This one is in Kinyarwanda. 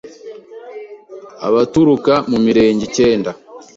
abaturuka mu mirenge icyenda